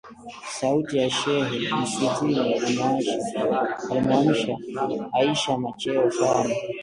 Sauti ya shehe msikitini ilimwamsha Aisha macheo sana